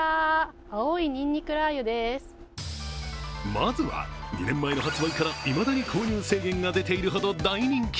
まずは２年前の発売からいまだに購入制限が出ているほど大人気。